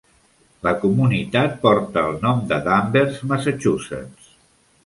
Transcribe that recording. La comunitat porta el nom de Danvers, Massachusetts.